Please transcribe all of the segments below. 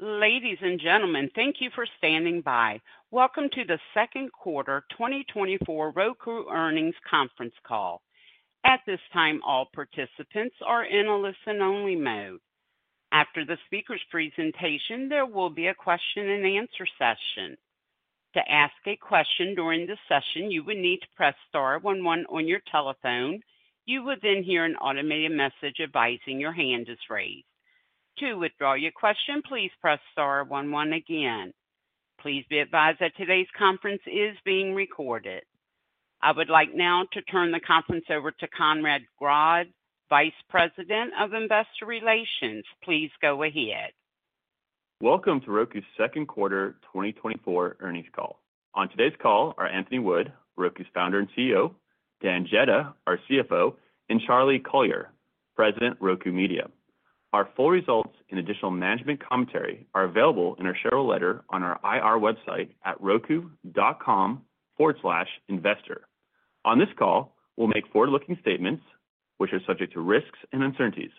Ladies and gentlemen, thank you for standing by. Welcome to the second quarter 2024 Roku Earnings Conference Call. At this time, all participants are in a listen-only mode. After the speaker's presentation, there will be a question-and-answer session. To ask a question during this session, you would need to press star 11 on your telephone. You would then hear an automated message advising your hand is raised. To withdraw your question, please press star 11 again. Please be advised that today's conference is being recorded. I would like now to turn the conference over to Conrad Grodd, VP of Investor Relations. Please go ahead. Welcome to Roku's second quarter 2024 Earnings Call. On today's call are Anthony Wood, Roku's founder and CEO; Dan Jedda, our CFO; and Charlie Collier, President of Roku Media. Our full results and additional management commentary are available in our Shareholder Letter on our IR website at roku.com/investor. On this call, we'll make forward-looking statements which are subject to risks and uncertainties.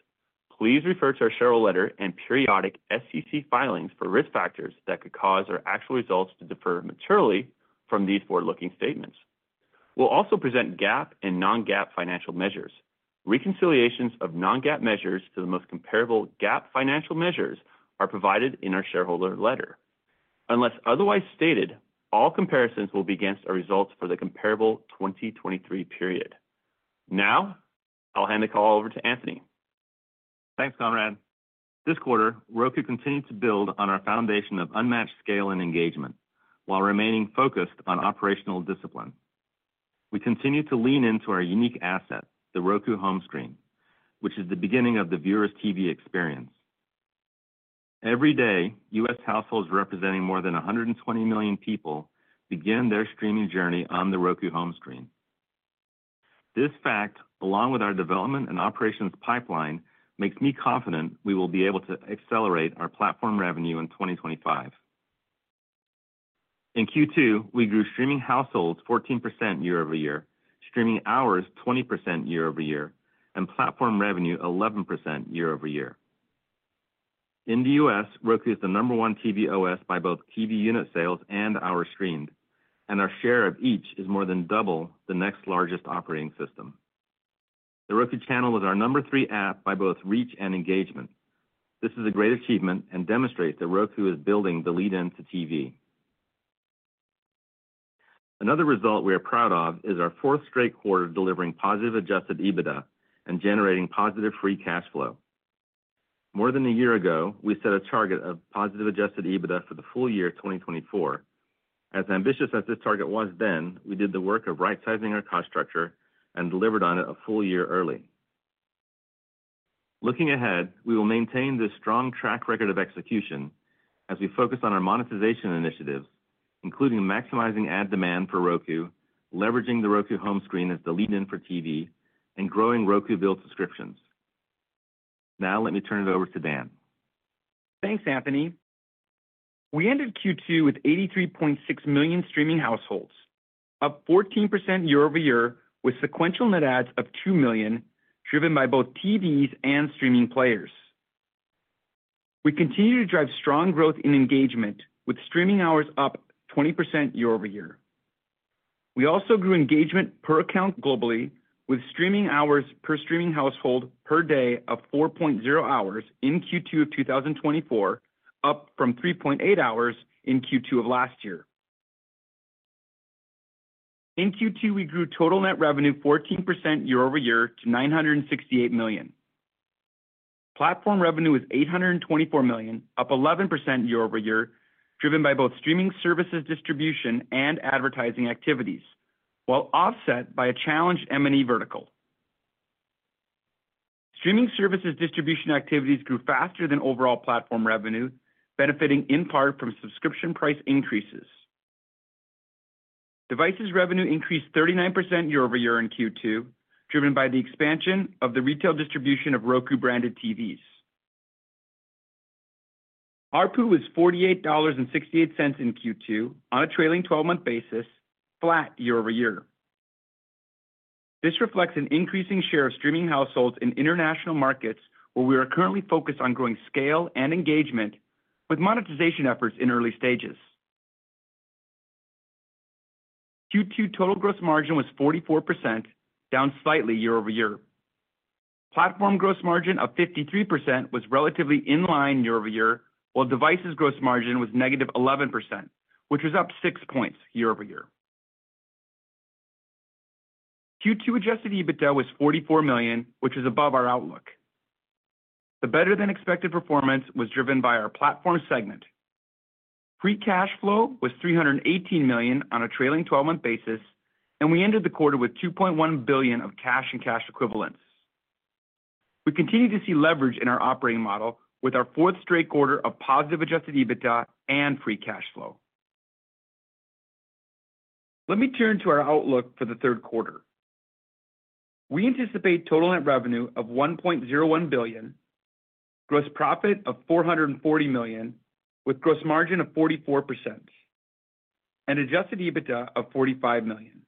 Please refer to our Shareholder Letter and periodic SEC filings for risk factors that could cause our actual results to differ materially from these forward-looking statements. We'll also present GAAP and non-GAAP financial measures. Reconciliations of non-GAAP measures to the most comparable GAAP financial measures are provided in our shareholder letter. Unless otherwise stated, all comparisons will be against our results for the comparable 2023 period. Now, I'll hand the call over to Anthony. Thanks, Conrad. This quarter, Roku continued to build on our foundation of unmatched scale and engagement while remaining focused on operational discipline. We continue to lean into our unique asset, the Roku home screen, which is the beginning of the viewer's TV experience. Every day, U.S. households representing more than 120 million people begin their streaming journey on the Roku home screen. This fact, along with our development and operations pipeline, makes me confident we will be able to accelerate our platform revenue in 2025. In Q2, we grew streaming households 14% year-over-year, streaming hours 20% year-over-year, and platform revenue 11% year-over-year. In the U.S., Roku is the number one TV OS by both TV unit sales and hours streamed, and our share of each is more than double the next largest operating system. The Roku Channel is our number three app by both reach and engagement. This is a great achievement and demonstrates that Roku is building the lead-in to TV. Another result we are proud of is our fourth straight quarter delivering positive Adjusted EBITDA and generating positive free cash flow. More than a year ago, we set a target of positive Adjusted EBITDA for the full year 2024. As ambitious as this target was then, we did the work of right-sizing our cost structure and delivered on it a full year early. Looking ahead, we will maintain this strong track record of execution as we focus on our monetization initiatives, including maximizing ad demand for Roku, leveraging the Roku home screen as the lead-in for TV, and growing Roku-billed subscriptions. Now, let me turn it over to Dan. Thanks, Anthony. We ended Q2 with 83.6 million streaming households, up 14% year-over-year, with sequential net adds of 2 million driven by both TVs and streaming players. We continue to drive strong growth in engagement, with streaming hours up 20% year-over-year. We also grew engagement per account globally, with streaming hours per streaming household per day of 4.0 hours in Q2 of 2024, up from 3.8 hours in Q2 of last year. In Q2, we grew total net revenue 14% year-over-year to $968 million. Platform revenue was $824 million, up 11% year-over-year, driven by both streaming services distribution and advertising activities, while offset by a challenged M&E vertical. Streaming services distribution activities grew faster than overall platform revenue, benefiting in part from subscription price increases. Devices revenue increased 39% year-over-year in Q2, driven by the expansion of the retail distribution of Roku-branded TVs. Our ARPU was $48.68 in Q2 on a trailing 12-month basis, flat year-over-year. This reflects an increasing share of streaming households in international markets where we are currently focused on growing scale and engagement, with monetization efforts in early stages. Q2 total gross margin was 44%, down slightly year-over-year. Platform gross margin of 53% was relatively in line year-over-year, while devices gross margin was -11%, which was up 6 points year-over-year. Q2 Adjusted EBITDA was $44 million, which was above our outlook. The better-than-expected performance was driven by our platform segment. Free cash flow was $318 million on a trailing 12-month basis, and we ended the quarter with $2.1 billion of cash and cash equivalents. We continue to see leverage in our operating model with our fourth straight quarter of positive Adjusted EBITDA and free cash flow. Let me turn to our outlook for the third quarter. We anticipate total net revenue of $1.01 billion, gross profit of $440 million, with gross margin of 44%, and Adjusted EBITDA of $45 million.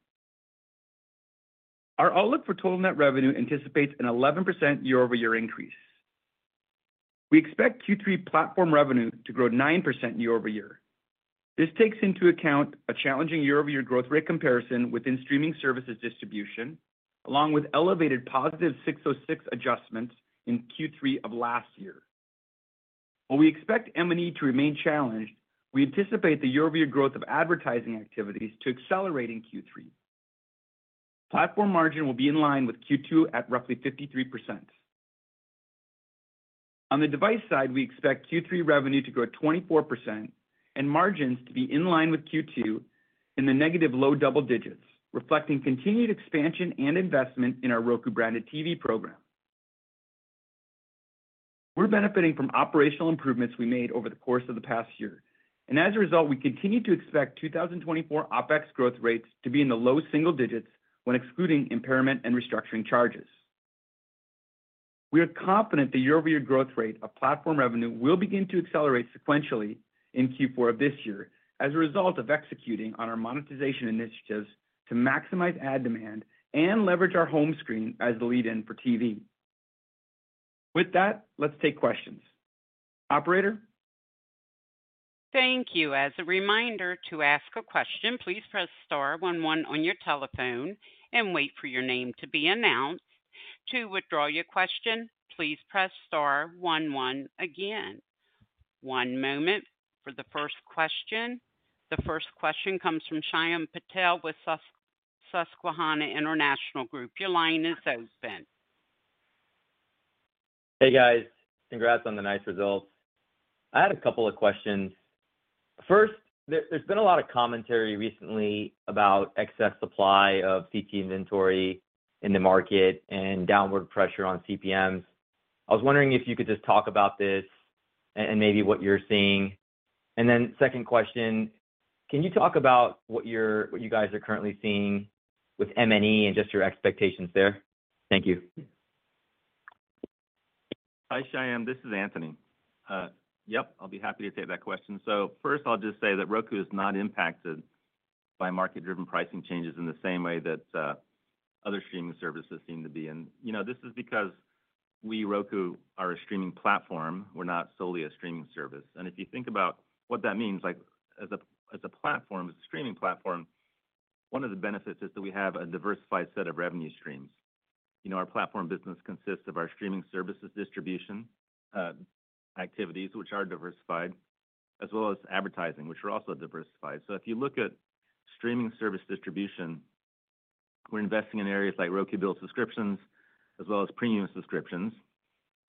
Our outlook for total net revenue anticipates an 11% year-over-year increase. We expect Q3 platform revenue to grow 9% year-over-year. This takes into account a challenging year-over-year growth rate comparison within streaming services distribution, along with elevated positive 606 adjustments in Q3 of last year. While we expect M&E to remain challenged, we anticipate the year-over-year growth of advertising activities to accelerate in Q3. Platform margin will be in line with Q2 at roughly 53%. On the device side, we expect Q3 revenue to grow 24% and margins to be in line with Q2 in the negative low double digits, reflecting continued expansion and investment in our Roku-branded TV program. We're benefiting from operational improvements we made over the course of the past year, and as a result, we continue to expect 2024 OpEx growth rates to be in the low single digits when excluding impairment and restructuring charges. We are confident the year-over-year growth rate of platform revenue will begin to accelerate sequentially in Q4 of this year as a result of executing on our monetization initiatives to maximize ad demand and leverage our home screen as the lead-in for TV. With that, let's take questions. Operator? Thank you. As a reminder to ask a question, please press star 11 on your telephone and wait for your name to be announced. To withdraw your question, please press star 11 again. One moment for the first question. The first question comes from Shyam Patil with Susquehanna International Group. Your line is open. Hey, guys. Congrats on the nice results. I had a couple of questions. First, there's been a lot of commentary recently about excess supply of CTV inventory in the market and downward pressure on CPMs. I was wondering if you could just talk about this and maybe what you're seeing. And then second question, can you talk about what you guys are currently seeing with M&E and just your expectations there? Thank you. Hi, Shyam. This is Anthony. Yep, I'll be happy to take that question. So first, I'll just say that Roku is not impacted by market-driven pricing changes in the same way that other streaming services seem to be. And this is because we, Roku, are a streaming platform. We're not solely a streaming service. And if you think about what that means, as a streaming platform, one of the benefits is that we have a diversified set of revenue streams. Our platform business consists of our streaming services distribution activities, which are diversified, as well as advertising, which are also diversified. So if you look at streaming service distribution, we're investing in areas like Roku-billed subscriptions as well as premium subscriptions.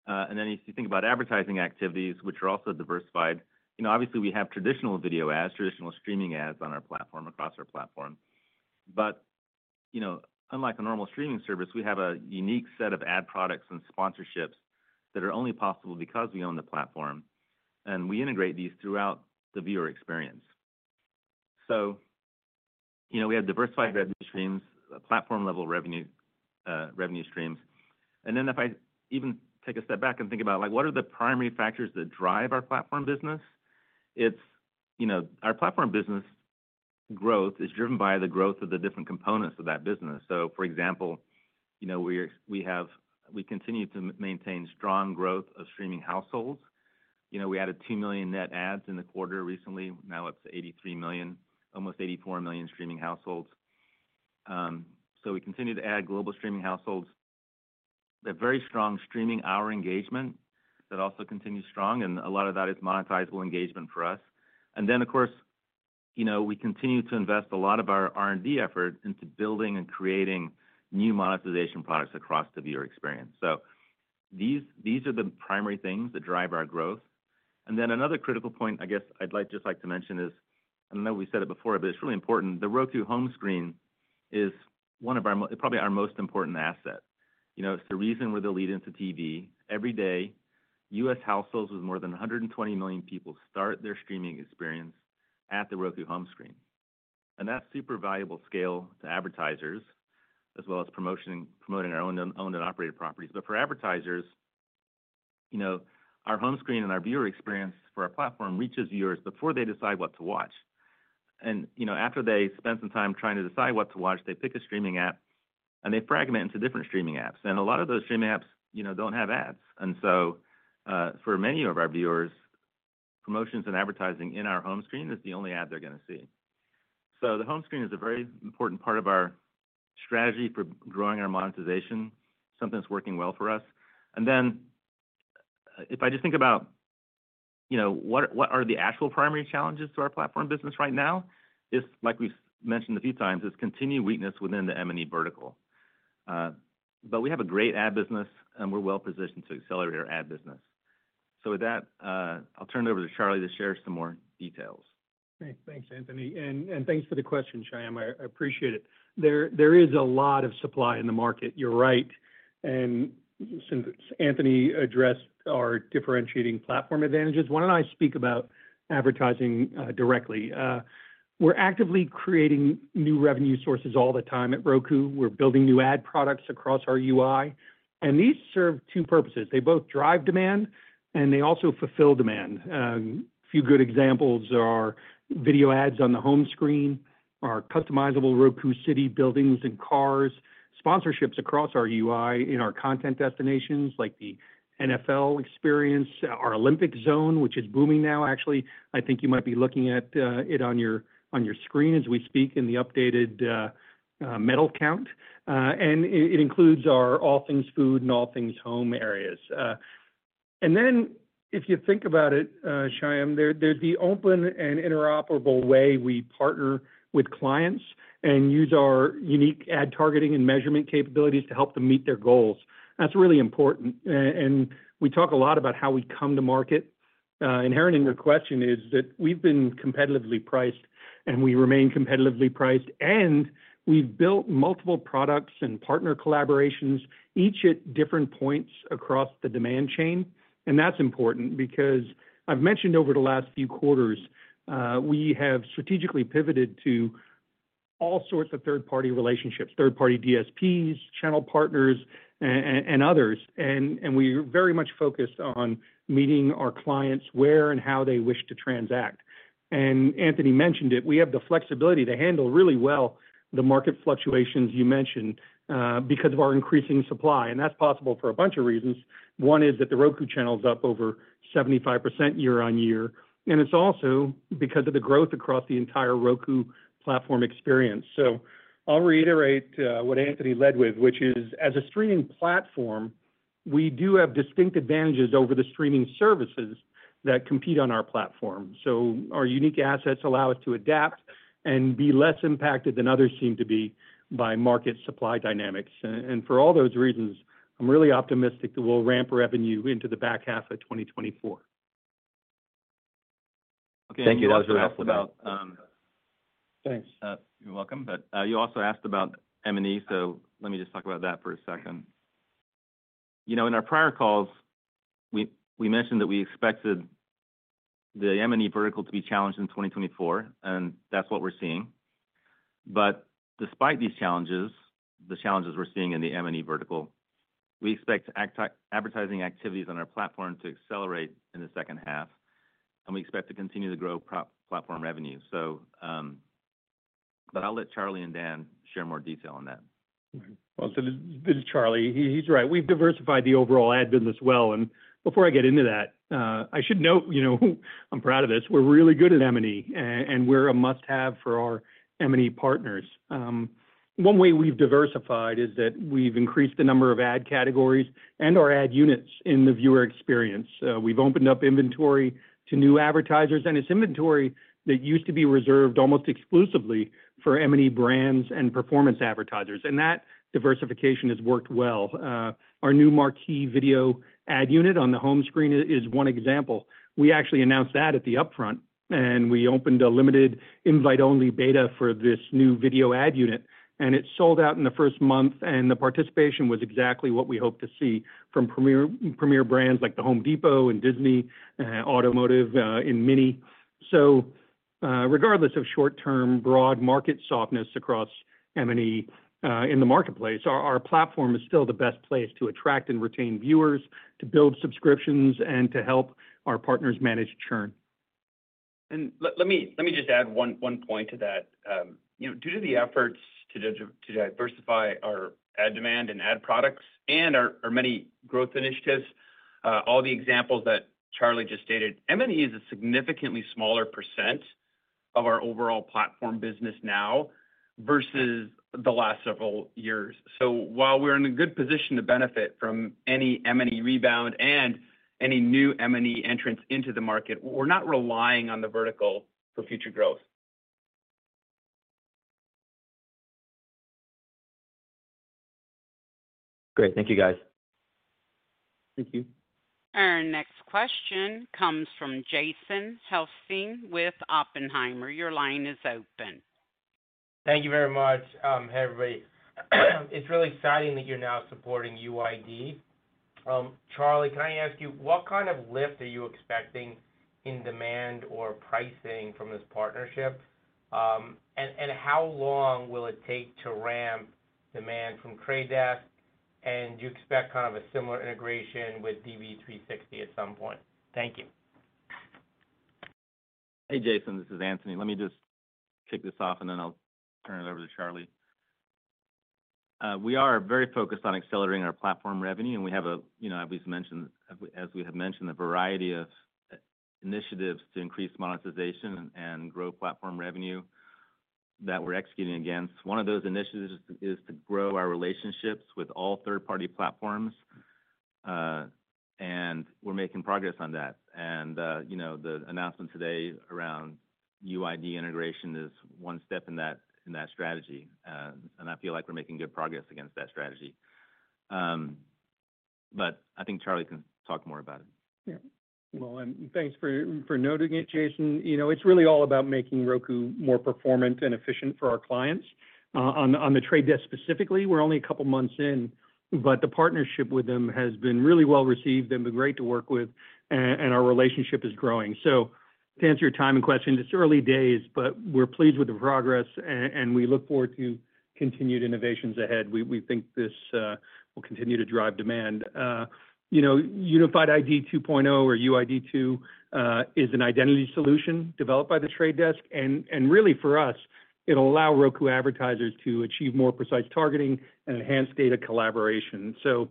And then if you think about advertising activities, which are also diversified, obviously, we have traditional video ads, traditional streaming ads on our platform, across our platform. But unlike a normal streaming service, we have a unique set of ad products and sponsorships that are only possible because we own the platform, and we integrate these throughout the viewer experience. So we have diversified revenue streams, platform-level revenue streams. And then if I even take a step back and think about what are the primary factors that drive our platform business, our platform business growth is driven by the growth of the different components of that business. So for example, we continue to maintain strong growth of streaming households. We added 2 million net adds in the quarter recently. Now it's 83 million, almost 84 million streaming households. So we continue to add global streaming households. We have very strong streaming hour engagement that also continues strong, and a lot of that is monetizable engagement for us. And then, of course, we continue to invest a lot of our R&D effort into building and creating new monetization products across the viewer experience. So these are the primary things that drive our growth. And then another critical point, I guess I'd just like to mention is, and I know we said it before, but it's really important. The Roku home screen is probably our most important asset. It's the reason we're the lead-in to TV. Every day, U.S. households with more than 120 million people start their streaming experience at the Roku home screen. And that's super valuable scale to advertisers as well as promoting our owned and operated properties. But for advertisers, our home screen and our viewer experience for our platform reaches viewers before they decide what to watch. After they spend some time trying to decide what to watch, they pick a streaming app, and they fragment into different streaming apps. A lot of those streaming apps don't have ads. So for many of our viewers, promotions and advertising in our home screen is the only ad they're going to see. The home screen is a very important part of our strategy for growing our monetization, something that's working well for us. Then if I just think about what are the actual primary challenges to our platform business right now, like we've mentioned a few times, is continued weakness within the M&E vertical. But we have a great ad business, and we're well-positioned to accelerate our ad business. So with that, I'll turn it over to Charlie to share some more details. Thanks, Anthony. Thanks for the question, Shyam. I appreciate it. There is a lot of supply in the market. You're right. Since Anthony addressed our differentiating platform advantages, why don't I speak about advertising directly? We're actively creating new revenue sources all the time at Roku. We're building new ad products across our UI, and these serve two purposes. They both drive demand, and they also fulfill demand. A few good examples are video ads on the home screen, our customizable Roku City buildings and cars, sponsorships across our UI in our content destinations like the NFL experience, our Olympic Zone, which is booming now. Actually, I think you might be looking at it on your screen as we speak in the updated medal count. It includes our All Things Food and All Things Home areas. And then if you think about it, Shyam, there's the open and interoperable way we partner with clients and use our unique ad targeting and measurement capabilities to help them meet their goals. That's really important. And we talk a lot about how we come to market. Inherent in your question is that we've been competitively priced, and we remain competitively priced, and we've built multiple products and partner collaborations, each at different points across the demand chain. And that's important because I've mentioned over the last few quarters, we have strategically pivoted to all sorts of third-party relationships, third-party DSPs, channel partners, and others. And we are very much focused on meeting our clients where and how they wish to transact. And Anthony mentioned it. We have the flexibility to handle really well the market fluctuations you mentioned because of our increasing supply. That's possible for a bunch of reasons. One is that the Roku Channel is up over 75% year-over-year. It's also because of the growth across the entire Roku platform experience. I'll reiterate what Anthony led with, which is, as a streaming platform, we do have distinct advantages over the streaming services that compete on our platform. Our unique assets allow us to adapt and be less impacted than others seem to be by market supply dynamics. For all those reasons, I'm really optimistic that we'll ramp revenue into the back half of 2024. Thank you. That was really helpful. Thanks. You're welcome. But you also asked about M&E, so let me just talk about that for a second. In our prior calls, we mentioned that we expected the M&E vertical to be challenged in 2024, and that's what we're seeing. But despite these challenges, the challenges we're seeing in the M&E vertical, we expect advertising activities on our platform to accelerate in the second half, and we expect to continue to grow platform revenue. But I'll let Charlie and Dan share more detail on that. Well, this is Charlie. He's right. We've diversified the overall ad business well. And before I get into that, I should note I'm proud of this. We're really good at M&E, and we're a must-have for our M&E partners. One way we've diversified is that we've increased the number of ad categories and our ad units in the viewer experience. We've opened up inventory to new advertisers, and it's inventory that used to be reserved almost exclusively for M&E brands and performance advertisers. And that diversification has worked well. Our new Marquee video ad unit on the home screen is one example. We actually announced that at the upfront, and we opened a limited invite-only beta for this new video ad unit. It sold out in the first month, and the participation was exactly what we hoped to see from premier brands like The Home Depot and Disney, Automotive in MINI. Regardless of short-term broad market softness across M&E in the marketplace, our platform is still the best place to attract and retain viewers, to build subscriptions, and to help our partners manage churn. Let me just add one point to that. Due to the efforts to diversify our ad demand and ad products and our many growth initiatives, all the examples that Charlie just stated. M&E is a significantly smaller % of our overall platform business now versus the last several years. While we're in a good position to benefit from any M&E rebound and any new M&E entrance into the market, we're not relying on the vertical for future growth. Great. Thank you, guys. Thank you. Our next question comes from Jason Helfstein with Oppenheimer. Your line is open. Thank you very much. Hey, everybody. It's really exciting that you're now supporting UID. Charlie, can I ask you, what kind of lift are you expecting in demand or pricing from this partnership? How long will it take to ramp demand from The Trade Desk? Do you expect kind of a similar integration with DV360 at some point? Thank you. Hey, Jason. This is Anthony. Let me just kick this off, and then I'll turn it over to Charlie. We are very focused on accelerating our platform revenue, and we have, as we have mentioned, a variety of initiatives to increase monetization and grow platform revenue that we're executing against. One of those initiatives is to grow our relationships with all third-party platforms, and we're making progress on that. And the announcement today around UID integration is one step in that strategy. And I feel like we're making good progress against that strategy. But I think Charlie can talk more about it. Yeah. Well, and thanks for noting it, Jason. It's really all about making Roku more performant and efficient for our clients. On The Trade Desk specifically, we're only a couple of months in, but the partnership with them has been really well-received and been great to work with, and our relationship is growing. So to answer your timing and question, it's early days, but we're pleased with the progress, and we look forward to continued innovations ahead. We think this will continue to drive demand. Unified ID 2.0 or UID 2.0 is an identity solution developed by The Trade Desk. And really, for us, it'll allow Roku advertisers to achieve more precise targeting and enhanced data collaboration. So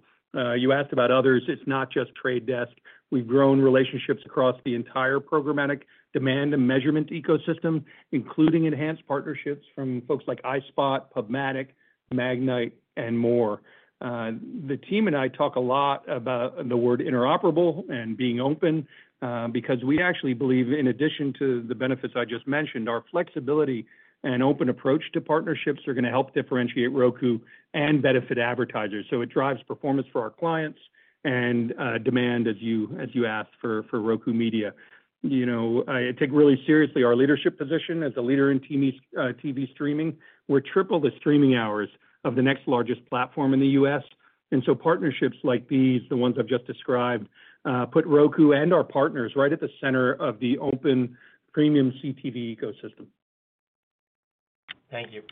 you asked about others. It's not just The Trade Desk. We've grown relationships across the entire programmatic demand and measurement ecosystem, including enhanced partnerships from folks like iSpot, PubMatic, Magnite, and more. The team and I talk a lot about the word interoperable and being open because we actually believe, in addition to the benefits I just mentioned, our flexibility and open approach to partnerships are going to help differentiate Roku and benefit advertisers. So it drives performance for our clients and demand, as you asked, for Roku Media. I take really seriously our leadership position as a leader in TV streaming. We're triple the streaming hours of the next largest platform in the U.S. And so partnerships like these, the ones I've just described, put Roku and our partners right at the center of the open premium CTV ecosystem. Thank you.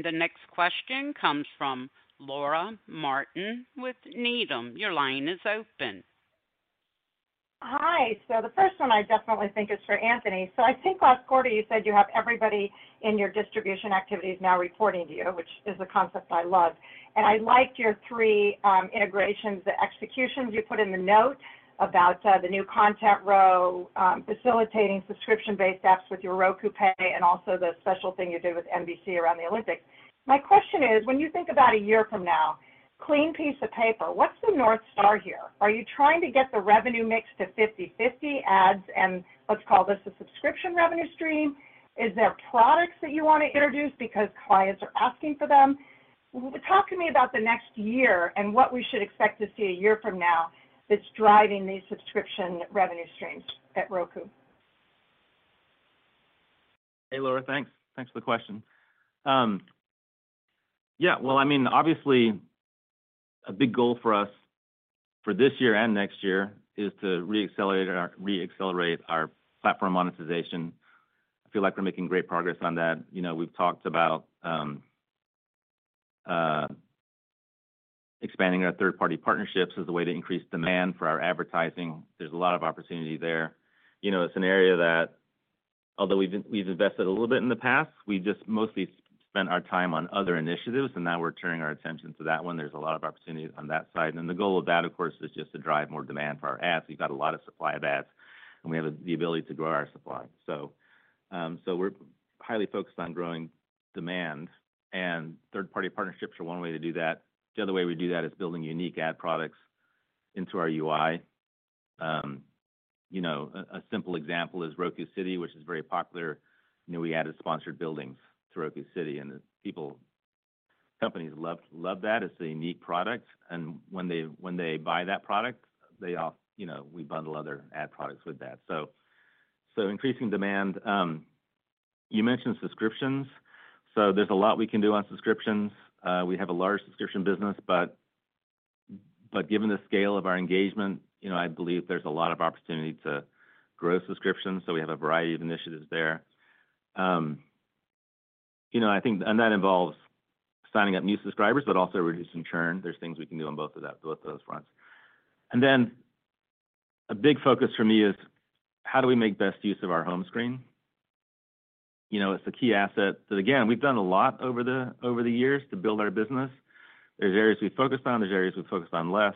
The next question comes from Laura Martin with Needham. Your line is open. Hi. So the first one I definitely think is for Anthony. So I think last quarter, you said you have everybody in your distribution activities now reporting to you, which is a concept I love. And I liked your three integrations, the executions you put in the note about the new content row, facilitating subscription-based apps with your Roku Pay, and also the special thing you did with NBC around the Olympics. My question is, when you think about a year from now, clean piece of paper, what's the North Star here? Are you trying to get the revenue mix to 50/50 ads and let's call this a subscription revenue stream? Is there products that you want to introduce because clients are asking for them? Talk to me about the next year and what we should expect to see a year from now that's driving these subscription revenue streams at Roku? Hey, Laura. Thanks. Thanks for the question. Yeah. Well, I mean, obviously, a big goal for us for this year and next year is to reaccelerate our platform monetization. I feel like we're making great progress on that. We've talked about expanding our third-party partnerships as a way to increase demand for our advertising. There's a lot of opportunity there. It's an area that, although we've invested a little bit in the past, we just mostly spent our time on other initiatives, and now we're turning our attention to that one. There's a lot of opportunity on that side. And the goal of that, of course, is just to drive more demand for our ads. We've got a lot of supply of ads, and we have the ability to grow our supply. So we're highly focused on growing demand, and third-party partnerships are one way to do that. The other way we do that is building unique ad products into our UI. A simple example is Roku City, which is very popular. We added sponsored buildings to Roku City, and companies love that. It's a unique product. And when they buy that product, we bundle other ad products with that. So increasing demand. You mentioned subscriptions. So there's a lot we can do on subscriptions. We have a large subscription business, but given the scale of our engagement, I believe there's a lot of opportunity to grow subscriptions. So we have a variety of initiatives there. And that involves signing up new subscribers, but also reducing churn. There's things we can do on both of those fronts. And then a big focus for me is how do we make best use of our home screen? It's the key asset that, again, we've done a lot over the years to build our business. There's areas we've focused on. There's areas we've focused on less,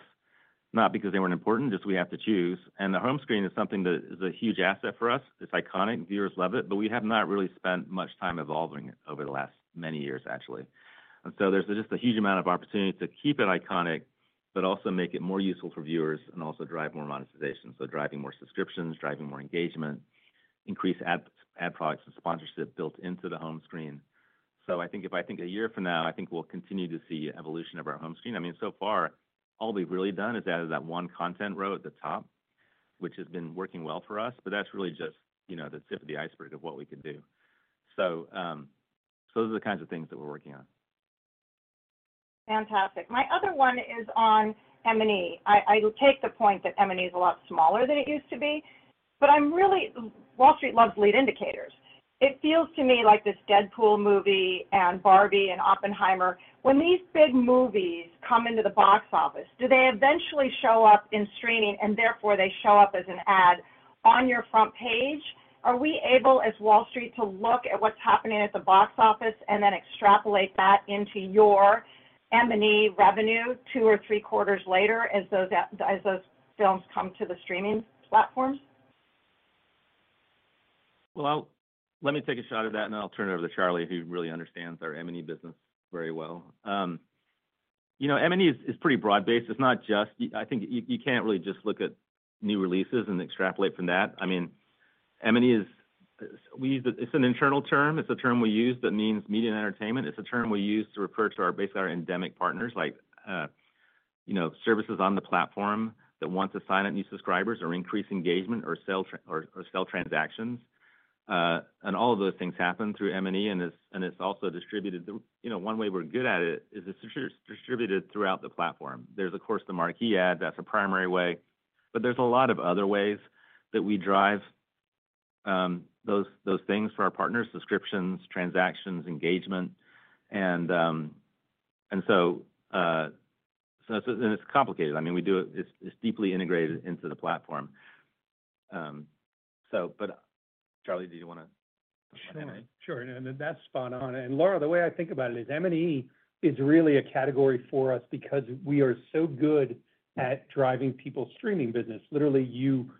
not because they weren't important, just we have to choose. And the home screen is something that is a huge asset for us. It's iconic. Viewers love it, but we have not really spent much time evolving it over the last many years, actually. And so there's just a huge amount of opportunity to keep it iconic, but also make it more useful for viewers and also drive more monetization. So driving more subscriptions, driving more engagement, increase ad products and sponsorship built into the home screen. So I think if I think a year from now, I think we'll continue to see evolution of our home screen. I mean, so far, all we've really done is added that one content row at the top, which has been working well for us, but that's really just the tip of the iceberg of what we can do. So those are the kinds of things that we're working on. Fantastic. My other one is on M&E. I take the point that M&E is a lot smaller than it used to be, but Wall Street loves lead indicators. It feels to me like this Deadpool movie and Barbie and Oppenheimer. When these big movies come into the box office, do they eventually show up in streaming, and therefore they show up as an ad on your front page? Are we able as Wall Street to look at what's happening at the box office and then extrapolate that into your M&E revenue two or three quarters later as those films come to the streaming platforms? Well, let me take a shot at that, and I'll turn it over to Charlie, who really understands our M&E business very well. M&E is pretty broad-based. It's not just, I think, you can't really just look at new releases and extrapolate from that. I mean, M&E is. It's an internal term. It's a term we use that means media and entertainment. It's a term we use to refer to basically our endemic partners, like services on the platform that want to sign up new subscribers or increase engagement or sell transactions. And all of those things happen through M&E, and it's also distributed. One way we're good at it is it's distributed throughout the platform. There's, of course, the Marquee ad. That's a primary way. But there's a lot of other ways that we drive those things for our partners: subscriptions, transactions, engagement. And so it's complicated. I mean, it's deeply integrated into the platform. But Charlie, did you want to? Sure. And that's spot on. And Laura, the way I think about it is M&E is really a category for us because we are so good at driving people's streaming business. Literally, you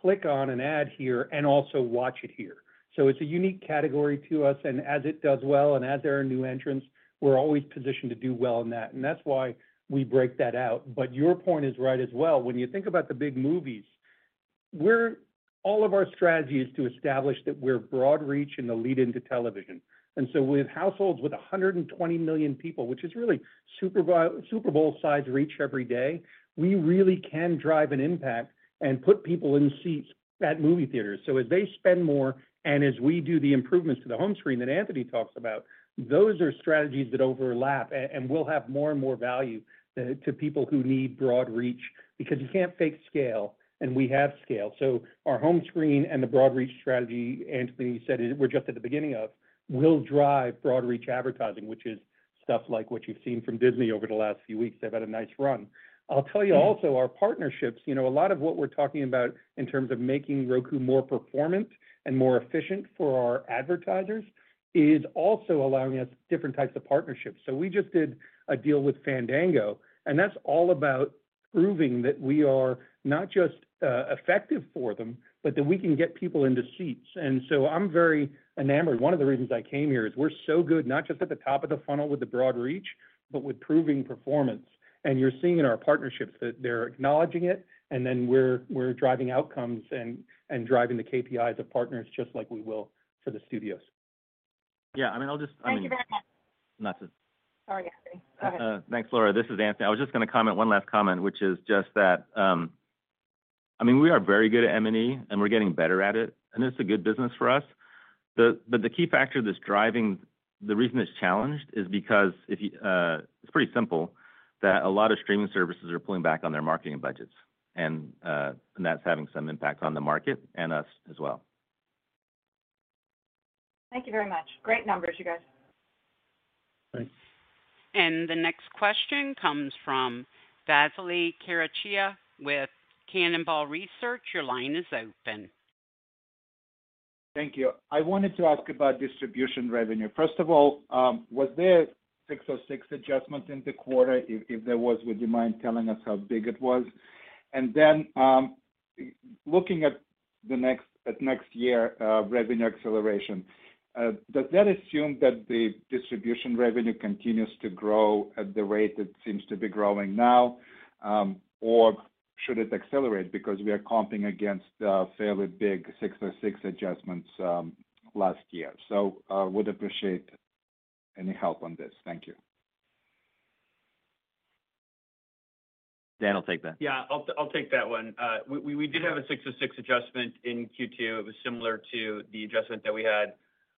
click on an ad here and also watch it here. So it's a unique category to us. And as it does well and as there are new entrants, we're always positioned to do well in that. And that's why we break that out. But your point is right as well. When you think about the big movies, all of our strategy is to establish that we're broad-reach and the lead into television. And so with households with 120 million people, which is really Super Bowl-sized reach every day, we really can drive an impact and put people in seats at movie theaters. So as they spend more and as we do the improvements to the home screen that Anthony talks about, those are strategies that overlap and will have more and more value to people who need broad-reach because you can't fake scale, and we have scale. So our home screen and the broad-reach strategy, Anthony said we're just at the beginning of, will drive broad-reach advertising, which is stuff like what you've seen from Disney over the last few weeks. They've had a nice run. I'll tell you also, our partnerships, a lot of what we're talking about in terms of making Roku more performant and more efficient for our advertisers is also allowing us different types of partnerships. So we just did a deal with Fandango, and that's all about proving that we are not just effective for them, but that we can get people into seats. I'm very enamored. One of the reasons I came here is we're so good, not just at the top of the funnel with the broad reach, but with proving performance. You're seeing in our partnerships that they're acknowledging it, and then we're driving outcomes and driving the KPIs of partners just like we will for the studios. Yeah. I mean, I'll just. Thank you very much. Nothing. Sorry, Anthony. Go ahead. Thanks, Laura. This is Anthony. I was just going to comment one last comment, which is just that, I mean, we are very good at M&E, and we're getting better at it, and it's a good business for us. But the key factor that's driving the reason it's challenged is because it's pretty simple that a lot of streaming services are pulling back on their marketing budgets, and that's having some impact on the market and us as well. Thank you very much. Great numbers, you guys. Thanks. The next question comes from Vasily Karasyov with Cannonball Research. Your line is open. Thank you. I wanted to ask about distribution revenue. First of all, was there 606 adjustments in the quarter? If there was, would you mind telling us how big it was? And then looking at next year revenue acceleration, does that assume that the distribution revenue continues to grow at the rate it seems to be growing now, or should it accelerate because we are comping against fairly big 606 adjustments last year? So I would appreciate any help on this. Thank you. Dan will take that. Yeah. I'll take that one. We did have a 606 adjustment in Q2. It was similar to the adjustment that we had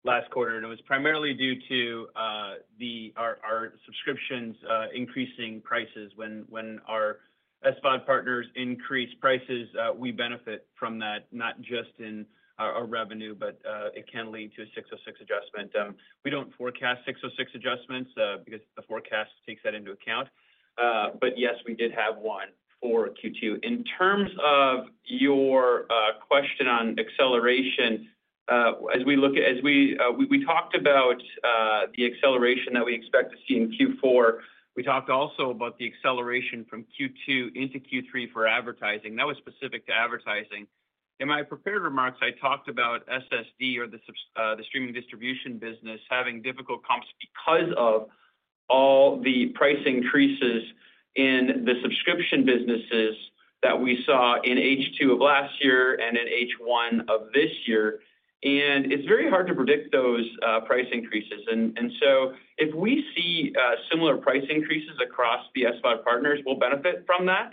last quarter, and it was primarily due to our subscriptions increasing prices. When our SVOD partners increase prices, we benefit from that, not just in our revenue, but it can lead to a 606 adjustment. We don't forecast 606 adjustments because the forecast takes that into account. But yes, we did have one for Q2. In terms of your question on acceleration, as we talked about the acceleration that we expect to see in Q4, we talked also about the acceleration from Q2 into Q3 for advertising. That was specific to advertising. In my prepared remarks, I talked about SSD or the streaming distribution business having difficult comps because of all the price increases in the subscription businesses that we saw in H2 of last year and in H1 of this year. It's very hard to predict those price increases. So if we see similar price increases across the SVOD partners, we'll benefit from that.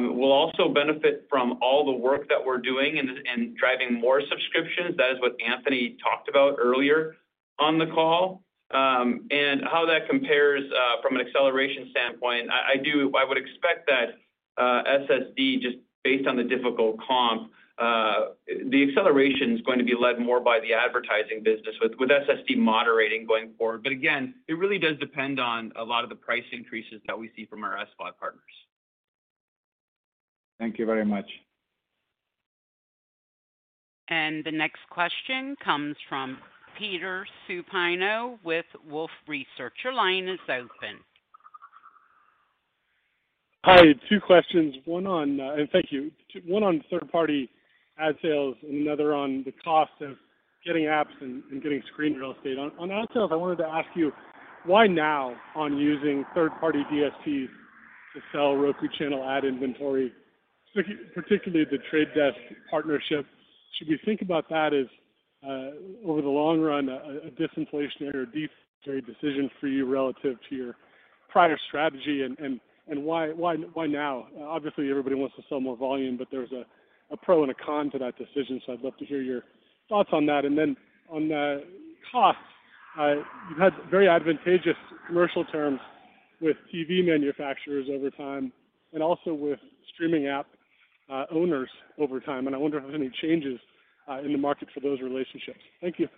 We'll also benefit from all the work that we're doing and driving more subscriptions. That is what Anthony talked about earlier on the call. How that compares from an acceleration standpoint, I would expect that SSD, just based on the difficult comp, the acceleration is going to be led more by the advertising business with SSD moderating going forward. Again, it really does depend on a lot of the price increases that we see from our SVOD partners. Thank you very much. The next question comes from Peter Supino with Wolfe Research. Your line is open. Hi. Two questions. One on, and thank you, one on third-party ad sales and another on the cost of getting apps and getting screen real estate. On ad sales, I wanted to ask you, why now on using third-party DSPs to sell Roku Channel ad inventory, particularly the Trade Desk partnership? Should we think about that as, over the long run, a disinflationary or deflationary decision for you relative to your prior strategy, and why now? Obviously, everybody wants to sell more volume, but there's a pro and a con to that decision, so I'd love to hear your thoughts on that. And then on costs, you've had very advantageous commercial terms with TV manufacturers over time and also with streaming app owners over time. And I wonder if there's any changes in the market for those relationships. Thank you.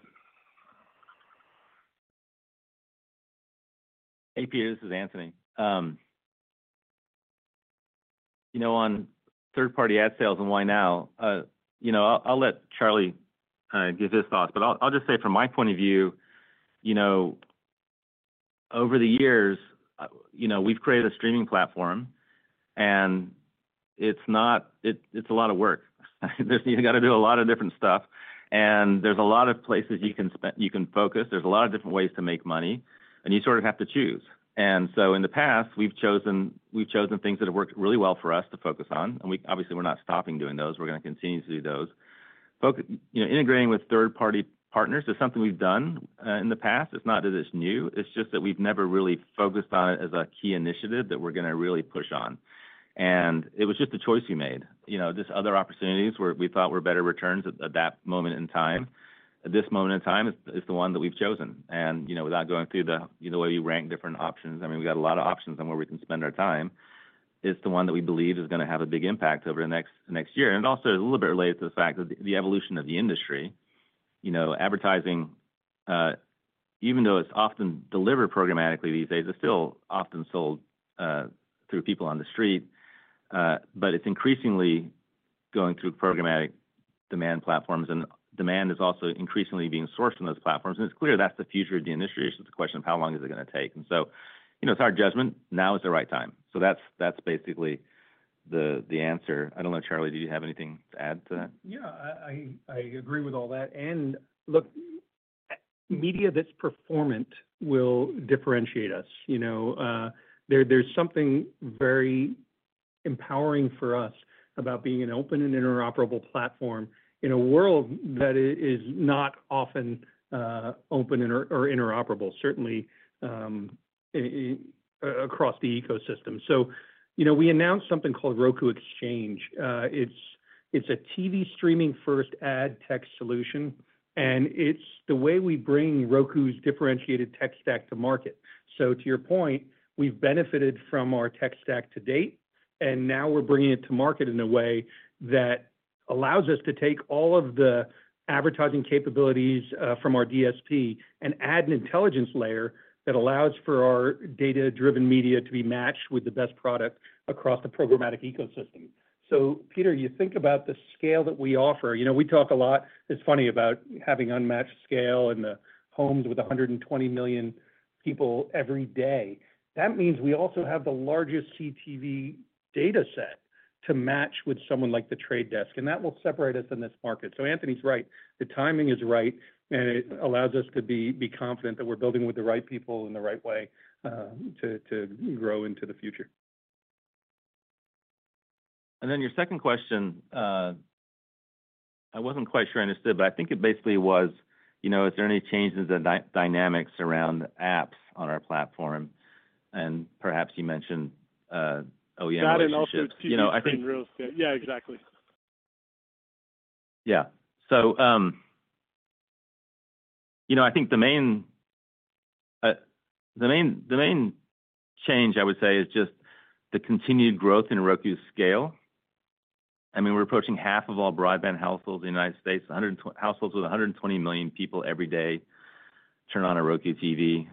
Hey, Peter. This is Anthony. On third-party ad sales and why now, I'll let Charlie give his thoughts, but I'll just say from my point of view, over the years, we've created a streaming platform, and it's a lot of work. You've got to do a lot of different stuff, and there's a lot of places you can focus. There's a lot of different ways to make money, and you sort of have to choose. And so in the past, we've chosen things that have worked really well for us to focus on, and obviously, we're not stopping doing those. We're going to continue to do those. Integrating with third-party partners is something we've done in the past. It's not that it's new. It's just that we've never really focused on it as a key initiative that we're going to really push on. It was just a choice we made. Just other opportunities where we thought were better returns at that moment in time, this moment in time is the one that we've chosen. Without going through the way we rank different options, I mean, we've got a lot of options on where we can spend our time. It's the one that we believe is going to have a big impact over the next year. And it also is a little bit related to the fact that the evolution of the industry. Advertising, even though it's often delivered programmatically these days, is still often sold through people on the street, but it's increasingly going through programmatic demand platforms, and demand is also increasingly being sourced from those platforms. And it's clear that's the future of the industry. It's just a question of how long is it going to take. And so it's our judgment. Now is the right time. So that's basically the answer. I don't know, Charlie, did you have anything to add to that? Yeah. I agree with all that. And look, media that's performant will differentiate us. There's something very empowering for us about being an open and interoperable platform in a world that is not often open or interoperable, certainly across the ecosystem. So we announced something called Roku Exchange. It's a TV streaming-first ad tech solution, and it's the way we bring Roku's differentiated tech stack to market. So to your point, we've benefited from our tech stack to date, and now we're bringing it to market in a way that allows us to take all of the advertising capabilities from our DSP and add an intelligence layer that allows for our data-driven media to be matched with the best product across the programmatic ecosystem. So Peter, you think about the scale that we offer. We talk a lot. It's funny about having unmatched scale and the homes with 120 million people every day. That means we also have the largest CTV dataset to match with someone like The Trade Desk, and that will separate us in this market. So Anthony's right. The timing is right, and it allows us to be confident that we're building with the right people in the right way to grow into the future. And then your second question, I wasn't quite sure I understood, but I think it basically was, is there any change in the dynamics around apps on our platform? And perhaps you mentioned OEM issues. That and also TV streaming real estate. Yeah, exactly. Yeah. So I think the main change, I would say, is just the continued growth in Roku's scale. I mean, we're approaching half of all broadband households in the United States. Households with 120 million people every day turn on a Roku TV.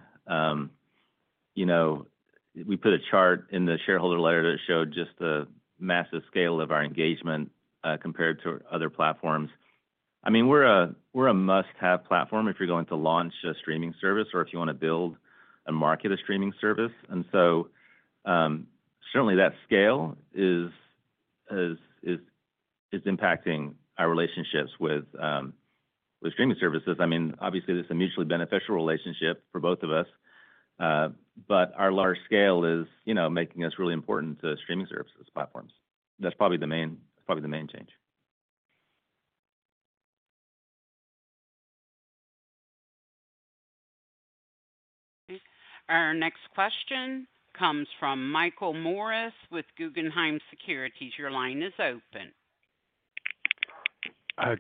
We put a chart in the shareholder letter that showed just the massive scale of our engagement compared to other platforms. I mean, we're a must-have platform if you're going to launch a streaming service or if you want to build and market a streaming service. And so certainly, that scale is impacting our relationships with streaming services. I mean, obviously, there's a mutually beneficial relationship for both of us, but our large scale is making us really important to streaming services platforms. That's probably the main change. Our next question comes from Michael Morris with Guggenheim Securities. Your line is open.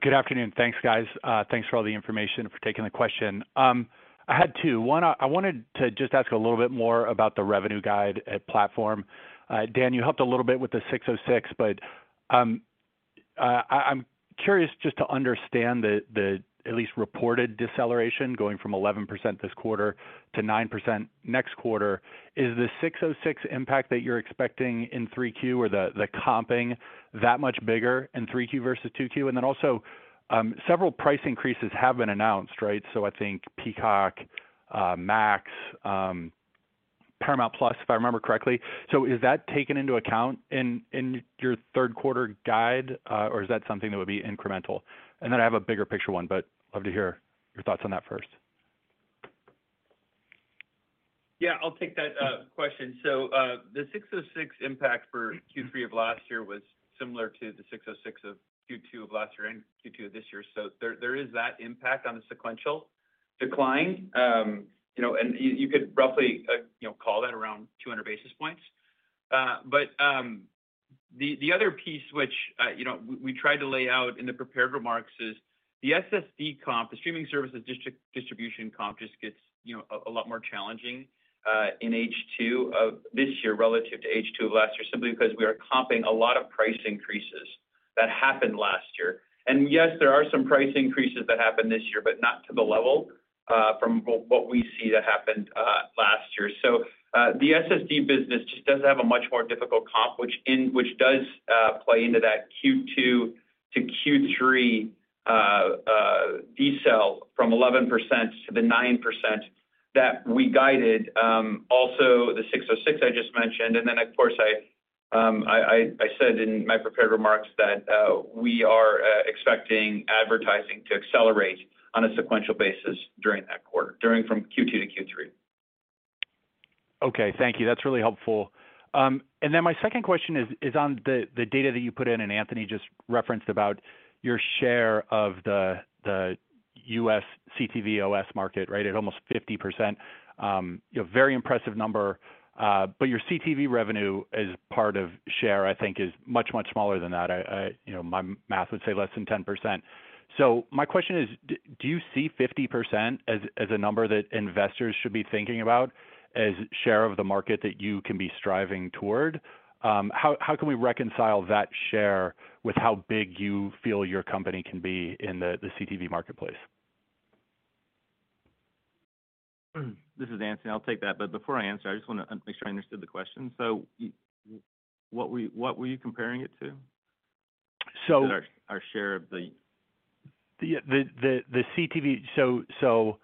Good afternoon. Thanks, guys. Thanks for all the information and for taking the question. I had two. One, I wanted to just ask a little bit more about the revenue guide platform. Dan, you helped a little bit with the 606, but I'm curious just to understand the at least reported deceleration going from 11% this quarter to 9% next quarter. Is the 606 impact that you're expecting in 3Q or the comping that much bigger in 3Q versus 2Q? And then also, several price increases have been announced, right? So I think Peacock, Max, Paramount Plus, if I remember correctly. So is that taken into account in your third quarter guide, or is that something that would be incremental? And then I have a bigger picture one, but love to hear your thoughts on that first. Yeah. I'll take that question. So the 606 impact for Q3 of last year was similar to the 606 of Q2 of last year and Q2 of this year. So there is that impact on the sequential decline, and you could roughly call that around 200 basis points. But the other piece which we tried to lay out in the prepared remarks is the SSD comp, the streaming services distribution comp just gets a lot more challenging in H2 of this year relative to H2 of last year simply because we are comping a lot of price increases that happened last year. And yes, there are some price increases that happened this year, but not to the level from what we see that happened last year. So the SSD business just does have a much more difficult comp, which does play into that Q2 to Q3 decel from 11% to the 9% that we guided. Also, the 606 I just mentioned. And then, of course, I said in my prepared remarks that we are expecting advertising to accelerate on a sequential basis during that quarter, during from Q2 to Q3. Okay. Thank you. That's really helpful. And then my second question is on the data that you put in, and Anthony just referenced about your share of the U.S. CTV OS market, right, at almost 50%. Very impressive number, but your CTV revenue as part of share, I think, is much, much smaller than that. My math would say less than 10%. So my question is, do you see 50% as a number that investors should be thinking about as share of the market that you can be striving toward? How can we reconcile that share with how big you feel your company can be in the CTV marketplace? This is Anthony. I'll take that. Before I answer, I just want to make sure I understood the question. What were you comparing it to? Our share of the. Yeah. So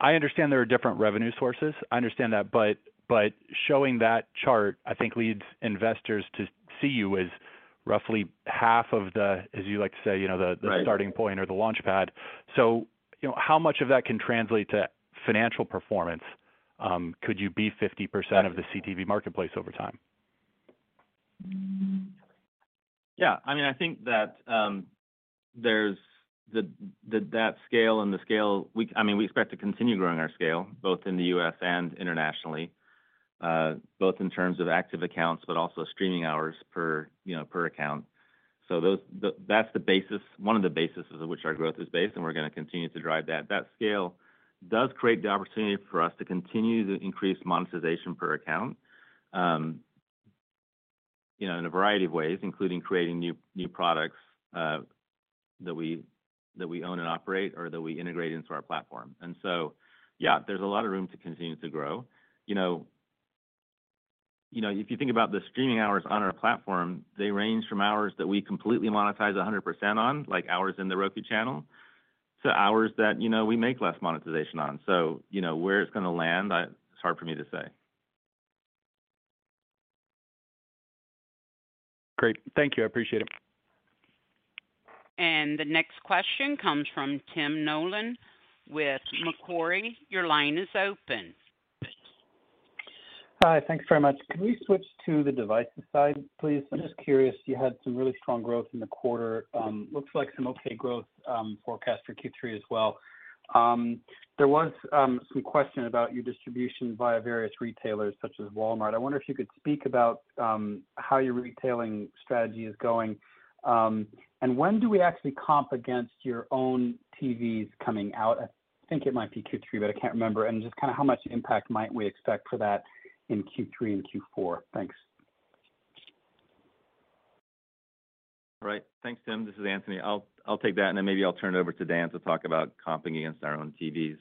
I understand there are different revenue sources. I understand that. But showing that chart, I think, leads investors to see you as roughly half of the, as you like to say, the starting point or the launchpad. So how much of that can translate to financial performance? Could you be 50% of the CTV marketplace over time? Yeah. I mean, I think that there's that scale and the scale I mean, we expect to continue growing our scale both in the U.S. and internationally, both in terms of active accounts, but also streaming hours per account. So that's the basis, one of the bases of which our growth is based, and we're going to continue to drive that. That scale does create the opportunity for us to continue to increase monetization per account in a variety of ways, including creating new products that we own and operate or that we integrate into our platform. And so, yeah, there's a lot of room to continue to grow. If you think about the streaming hours on our platform, they range from hours that we completely monetize 100% on, like hours in the Roku Channel, to hours that we make less monetization on. Where it's going to land, it's hard for me to say. Great. Thank you. I appreciate it. The next question comes from Tim Nollen with Macquarie. Your line is open. Hi. Thanks very much. Can we switch to the devices side, please? I'm just curious. You had some really strong growth in the quarter. Looks like some okay growth forecast for Q3 as well. There was some question about your distribution via various retailers such as Walmart. I wonder if you could speak about how your retailing strategy is going. And when do we actually comp against your own TVs coming out? I think it might be Q3, but I can't remember. And just kind of how much impact might we expect for that in Q3 and Q4? Thanks. All right. Thanks, Tim. This is Anthony. I'll take that, and then maybe I'll turn it over to Dan to talk about comping against our own TVs.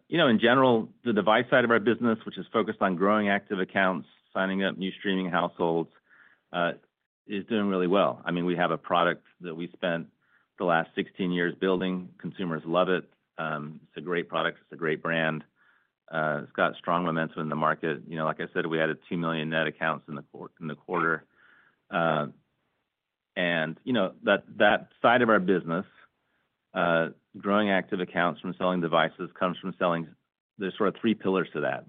In general, the device side of our business, which is focused on growing active accounts, signing up new streaming households, is doing really well. I mean, we have a product that we spent the last 16 years building. Consumers love it. It's a great product. It's a great brand. It's got strong momentum in the market. Like I said, we added 2 million net accounts in the quarter. And that side of our business, growing active accounts from selling devices, comes from selling. There's sort of three pillars to that.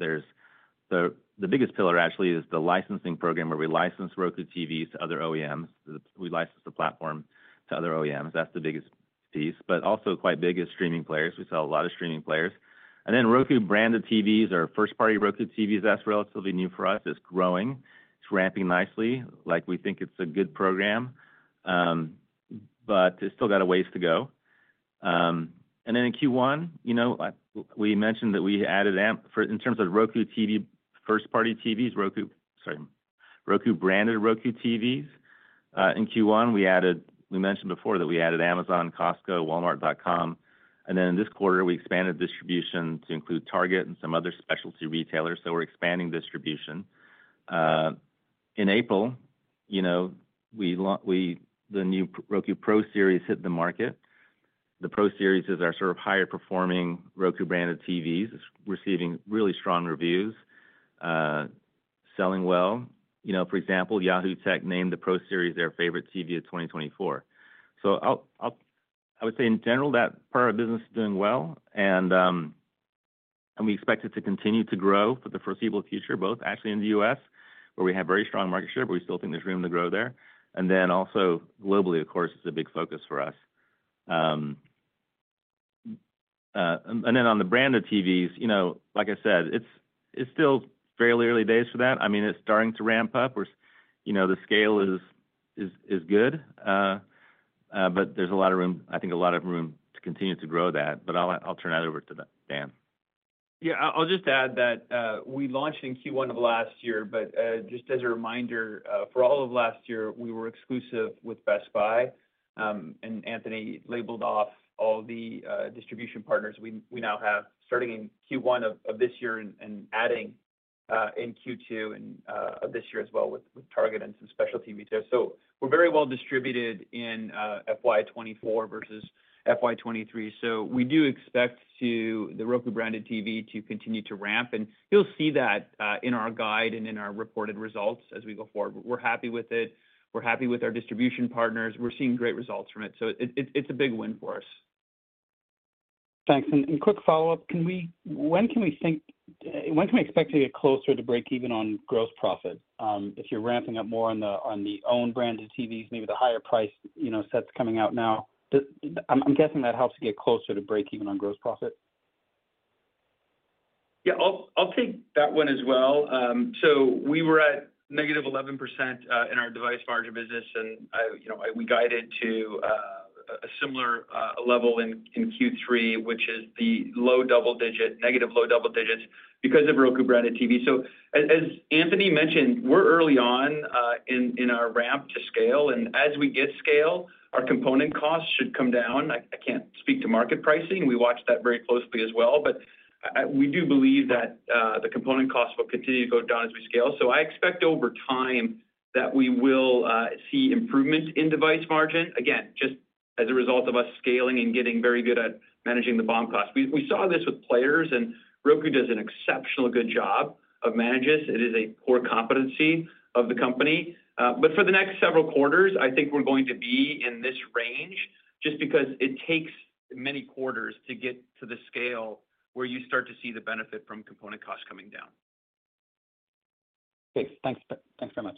The biggest pillar, actually, is the licensing program where we license Roku TVs to other OEMs. We license the platform to other OEMs. That's the biggest piece. But also quite big is streaming players. We sell a lot of streaming players. Then Roku-branded TVs or first-party Roku TVs, that's relatively new for us. It's growing. It's ramping nicely. We think it's a good program, but it's still got a ways to go. Then in Q1, we mentioned that we added in terms of Roku TV, first-party TVs, Roku-branded Roku TVs. In Q1, we mentioned before that we added Amazon, Costco, Walmart.com. Then this quarter, we expanded distribution to include Target and some other specialty retailers. So we're expanding distribution. In April, the new Roku Pro Series hit the market. The Pro Series is our sort of higher-performing Roku-branded TVs. It's receiving really strong reviews, selling well. For example, Yahoo Tech named the Pro Series their favorite TV of 2024. So I would say, in general, that part of our business is doing well, and we expect it to continue to grow for the foreseeable future, both actually in the U.S., where we have very strong market share, but we still think there's room to grow there. And then also globally, of course, it's a big focus for us. And then on the branded TVs, like I said, it's still fairly early days for that. I mean, it's starting to ramp up. The scale is good, but there's a lot of room, I think a lot of room to continue to grow that. But I'll turn it over to Dan. Yeah. I'll just add that we launched in Q1 of last year. But just as a reminder, for all of last year, we were exclusive with Best Buy, and Anthony rattled off all the distribution partners we now have, starting in Q1 of this year and adding in Q2 of this year as well with Target and some specialty retailers. So we're very well distributed in FY24 versus FY23. So we do expect the Roku-branded TV to continue to ramp. And you'll see that in our guide and in our reported results as we go forward. We're happy with it. We're happy with our distribution partners. We're seeing great results from it. So it's a big win for us. Thanks. Quick follow-up. When can we think when can we expect to get closer to break even on gross profit? If you're ramping up more on the own-branded TVs, maybe the higher-priced sets coming out now, I'm guessing that helps to get closer to break even on gross profit. Yeah. I'll take that one as well. So we were at negative 11% in our device margin business, and we guided to a similar level in Q3, which is the low double digit, negative low double digits because of Roku-branded TV. So as Anthony mentioned, we're early on in our ramp to scale. And as we get scale, our component costs should come down. I can't speak to market pricing. We watch that very closely as well. But we do believe that the component costs will continue to go down as we scale. So I expect over time that we will see improvement in device margin, again, just as a result of us scaling and getting very good at managing the BOM cost. We saw this with players, and Roku does an exceptionally good job of managing this. It is a core competency of the company. But for the next several quarters, I think we're going to be in this range just because it takes many quarters to get to the scale where you start to see the benefit from component costs coming down. Thanks. Thanks very much.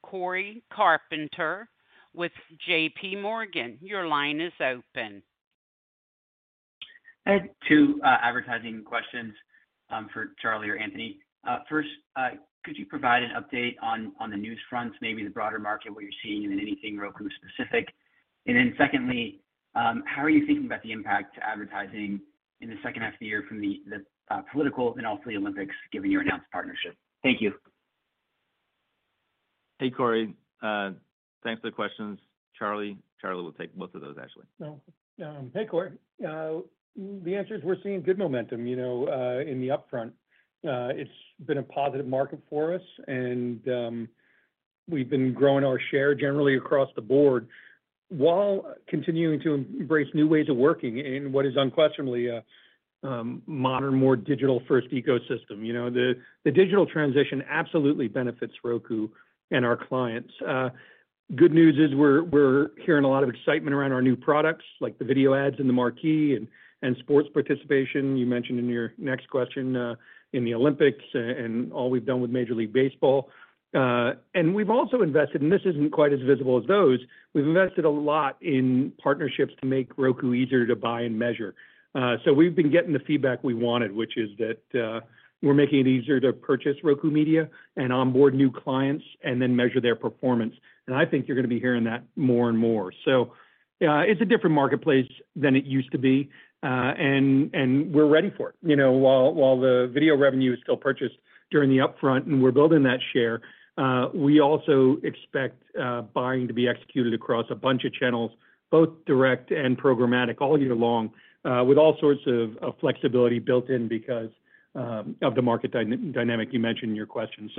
The next question comes from Cory Carpenter with JPMorgan. Your line is open. Two advertising questions for Charlie or Anthony. First, could you provide an update on the NewsFront, maybe the broader market, what you're seeing, and then anything Roku specific? Then secondly, how are you thinking about the impact to advertising in the second half of the year from the political and also the Olympics, given your announced partnership? Thank you. Hey, Cory. Thanks for the questions. Charlie. Charlie will take both of those, actually. Hey, Cory. The answer is we're seeing good momentum in the upfront. It's been a positive market for us, and we've been growing our share generally across the board while continuing to embrace new ways of working in what is unquestionably a modern, more digital-first ecosystem. The digital transition absolutely benefits Roku and our clients. Good news is we're hearing a lot of excitement around our new products, like the video ads in the Marquee and sports participation. You mentioned in your next question in the Olympics and all we've done with Major League Baseball. We've also invested, and this isn't quite as visible as those. We've invested a lot in partnerships to make Roku easier to buy and measure. We've been getting the feedback we wanted, which is that we're making it easier to purchase Roku media and onboard new clients and then measure their performance. I think you're going to be hearing that more and more. It's a different marketplace than it used to be, and we're ready for it. While the video revenue is still purchased during the upfront and we're building that share, we also expect buying to be executed across a bunch of channels, both direct and programmatic, all year long, with all sorts of flexibility built in because of the market dynamic you mentioned in your question.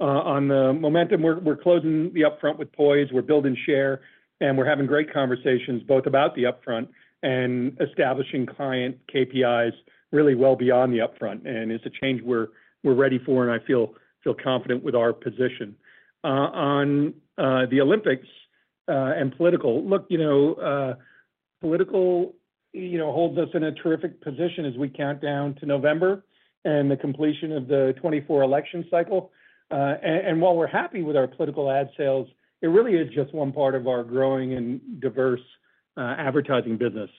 On the momentum, we're closing the upfront with poise. We're building share, and we're having great conversations both about the upfront and establishing client KPIs really well beyond the upfront. It's a change we're ready for, and I feel confident with our position. On the Olympics and political, look, political holds us in a terrific position as we count down to November and the completion of the 2024 election cycle. And while we're happy with our political ad sales, it really is just one part of our growing and diverse advertising business.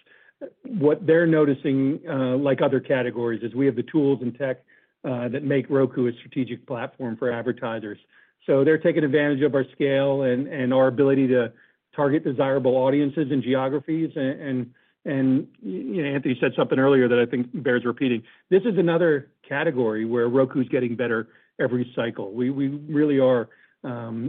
What they're noticing, like other categories, is we have the tools and tech that make Roku a strategic platform for advertisers. So they're taking advantage of our scale and our ability to target desirable audiences and geographies. And Anthony said something earlier that I think bears repeating. This is another category where Roku's getting better every cycle. We really are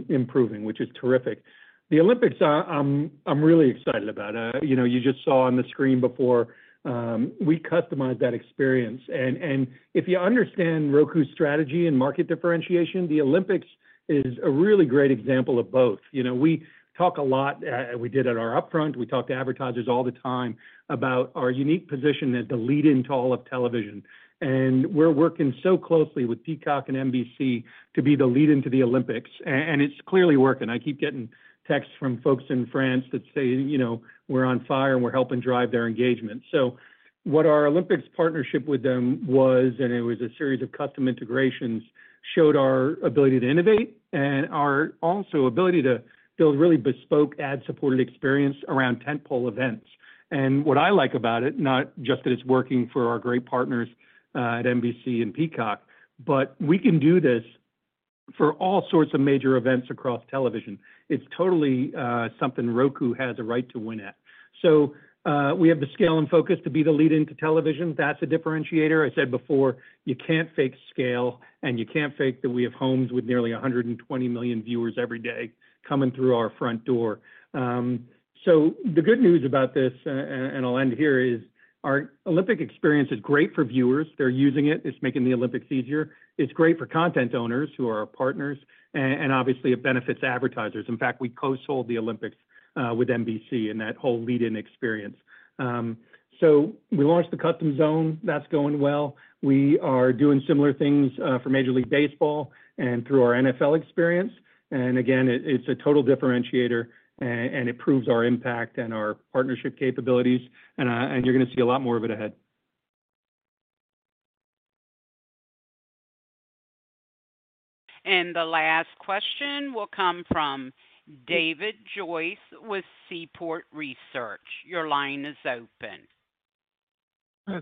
improving, which is terrific. The Olympics, I'm really excited about. You just saw on the screen before, we customize that experience. And if you understand Roku's strategy and market differentiation, the Olympics is a really great example of both. We talk a lot, and we did at our upfront. We talk to advertisers all the time about our unique position as the lead-in to all of television. We're working so closely with Peacock and NBC to be the lead-in to the Olympics, and it's clearly working. I keep getting texts from folks in France that say, "We're on fire, and we're helping drive their engagement." So what our Olympics partnership with them was, and it was a series of custom integrations, showed our ability to innovate and also our ability to build really bespoke ad-supported experience around tentpole events. And what I like about it, not just that it's working for our great partners at NBC and Peacock, but we can do this for all sorts of major events across television. It's totally something Roku has a right to win at. So we have the scale and focus to be the lead-in to television. That's a differentiator. I said before, you can't fake scale, and you can't fake that we have homes with nearly 120 million viewers every day coming through our front door. So the good news about this, and I'll end here, is our Olympic experience is great for viewers. They're using it. It's making the Olympics easier. It's great for content owners who are our partners, and obviously, it benefits advertisers. In fact, we co-sold the Olympics with NBC and that whole lead-in experience. So we launched the custom zone. That's going well. We are doing similar things for Major League Baseball and through our NFL experience. And again, it's a total differentiator, and it proves our impact and our partnership capabilities, and you're going to see a lot more of it ahead. The last question will come from David Joyce with Seaport Research. Your line is open.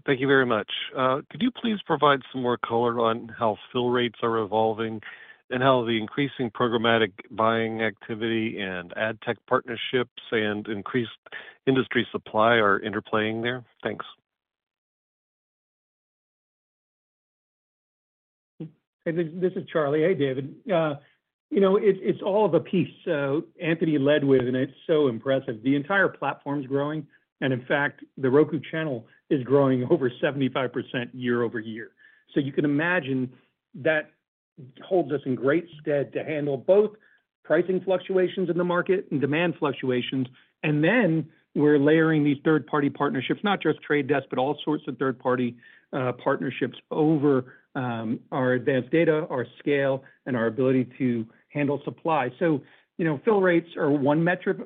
Thank you very much. Could you please provide some more color on how fill rates are evolving and how the increasing programmatic buying activity and ad tech partnerships and increased industry supply are interplaying there? Thanks. This is Charlie. Hey, David. It's all of a piece Anthony led with, and it's so impressive. The entire platform's growing, and in fact, the Roku Channel is growing over 75% year-over-year. So you can imagine that holds us in great stead to handle both pricing fluctuations in the market and demand fluctuations. And then we're layering these third-party partnerships, not just Trade Desk, but all sorts of third-party partnerships over our advanced data, our scale, and our ability to handle supply. So fill rates are one metric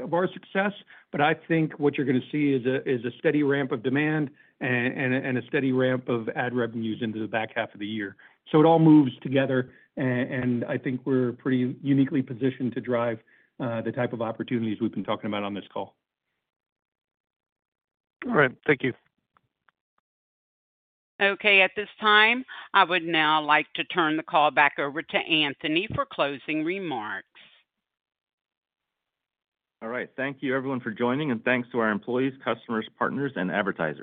of our success, but I think what you're going to see is a steady ramp of demand and a steady ramp of ad revenues into the back half of the year. So it all moves together, and I think we're pretty uniquely positioned to drive the type of opportunities we've been talking about on this call. All right. Thank you. Okay. At this time, I would now like to turn the call back over to Anthony for closing remarks. All right. Thank you, everyone, for joining, and thanks to our employees, customers, partners, and advertisers.